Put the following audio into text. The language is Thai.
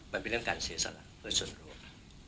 มันเป็นเรื่องการเสียสละเพื่อส่วนรวม